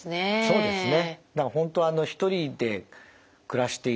そうですね。